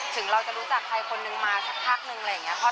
ถึงเราจะรู้จักใครคนนึงมาสักพักนึงอะไรอย่างนี้